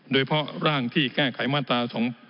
เพราะร่างที่แก้ไขมาตรา๒๗